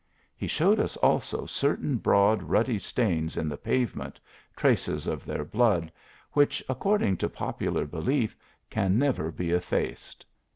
He showed us also certain broad ruddy stains in the pavement, traces of their blood, which, according to popular belief, can never be effaced.